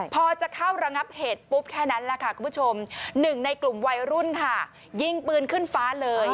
พอจะเข้าระงับเหตุปุ๊บแค่นั้นแหละค่ะคุณผู้ชมหนึ่งในกลุ่มวัยรุ่นค่ะยิงปืนขึ้นฟ้าเลย